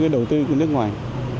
đầu tư của nước ngoài